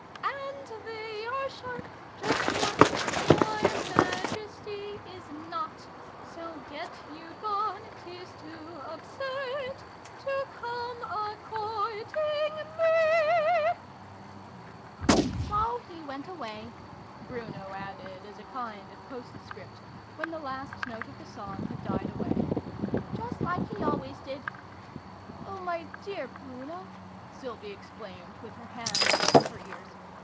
' And they are sJiarp justwJiat Your Majesty is not : So get you gone 'tis too absurd To come a courting me !'' 16 SYLVIE AND BRUNO CONCLUDED. "So he went away," Bruno added as a kind of postscript, when the last note of the song had died away. " Just like he always did." " Oh, my dear Bruno !" Sylvie exclaimed, with her hands over her ears.